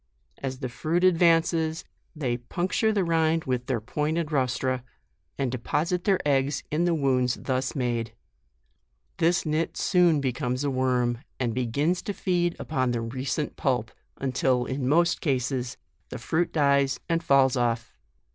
As the fruit advances, they puncture the rind with their pointed rostra, and deposit their eggs in the wounds thus made. This nit soon becomes a worm, and begins to feed upon the recent pulp, until, in most cases, the fruit dies and falls off.